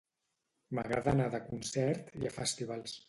M'agrada anar de concert i a festivals